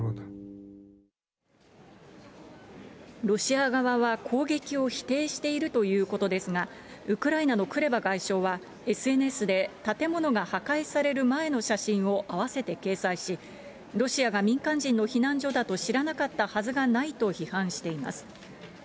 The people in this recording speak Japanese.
ロシア側は攻撃を否定しているということですが、ウクライナのクレバ外相はＳＮＳで、建物が破壊される前の写真を併せて掲載し、ロシアが民間人の避難所だと知らなかったはずはないと批判しています。